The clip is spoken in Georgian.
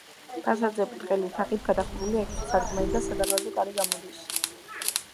ფასადზე ბრტყელი თაღით გადახურული ექვსი სარკმელი და სადარბაზო კარი გამოდის.